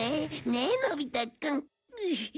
ねえのび太くん。うっ。